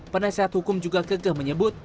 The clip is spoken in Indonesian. penasehat hukum juga kegeh menyebut